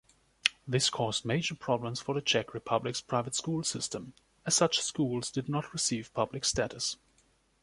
This caused major problems for the Czech Republic’s private school system, as such schools did not receive public status.